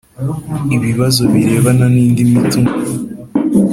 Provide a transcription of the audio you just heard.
ibibazo birebana n'indi mitungo